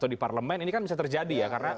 di parlemen ini kan bisa terjadi ya karena